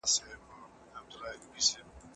قدرت او منزلت په ټولنه کې څه رول لري؟